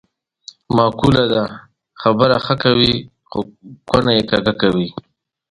معقوله ده: خبره ښه کوې خو کونه یې کږه کوې.